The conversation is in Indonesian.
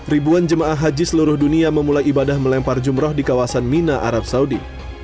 ribuan jemaah haji seluruh dunia memulai ibadah melempar jumroh di kawasan mina arab saudi